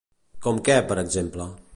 Com què, per exemple?